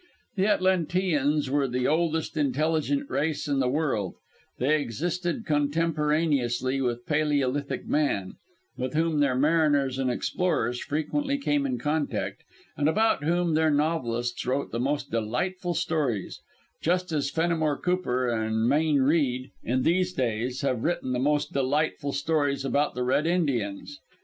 The Atlanteans were the oldest intelligent race in the world they existed contemporaneously with Paleolithic man, with whom their mariners and explorers frequently came in contact, and about whom their novelists wrote the most delightful stories, just as Fenimore Cooper and Mayne Reid, in these days, have written the most delightful stories about the Red Indians.